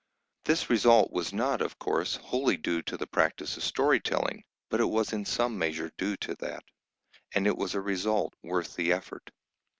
This result was not, of course, wholly due to the practice of story telling, but it was in some measure due to that. And it was a result worth the effort.